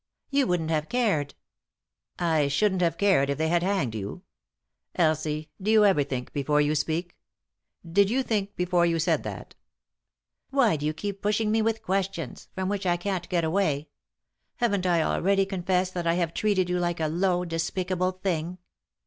"You wouldn't have cared." " I shouldn't have cared if they bad hanged you ? Elsie, do you ever think before you speak ? Did you think before you said that ?"" Why do you keep pushing me with questions ?— from which I can't get away 1 Haven't I already con fessed that I have treated you like a low, despicable thing